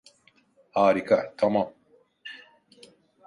Harika, tamam.